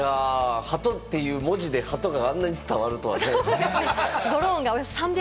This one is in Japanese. ハトっていう文字であんなにハトが伝わるとはね。